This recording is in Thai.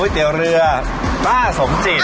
เตี๋ยวเรือป้าสมจิต